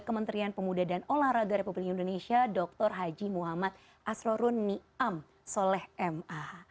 kementerian pemuda dan olahraga republik indonesia dr haji muhammad asrorun niam soleh ma